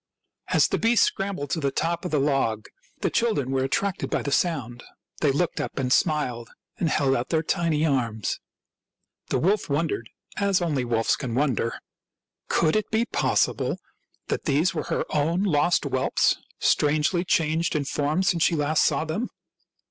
As the beast scrambled to the top of the log the children were attracted by the sound ; they looked up and smiled and held out their tiny arms. The wolf wondered, as only wolves can wonder. Could it be possible that these were her own lost whelps, strangely changed in form since she last saw them